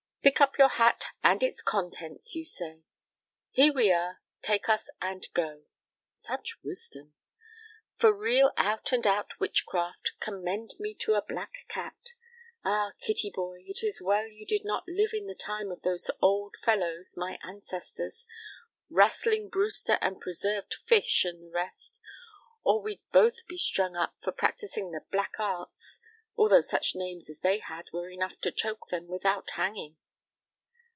Pick up your hat and its contents, you say. Here we are, take us and go. Such wisdom! For real out and out witchcraft, commend me to a black cat. Ah, Kittyboy, it is well you did not live in the time of those old fellows, my ancestors, Wrastling Brewster and Preserved Fish, and the rest, or we'd both be strung up for practicing the black arts, although such names as they had were enough to choke them without hanging.